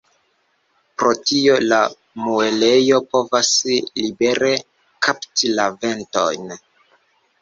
Pro tio la muelejo povas libere “kapti” la venton.